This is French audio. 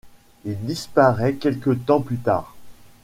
Il disparaît quelque temps plus tard.